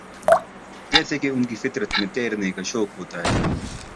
جیسے کہ ان کی فطر ت میں تیرنے کا شوق ہوتا ہے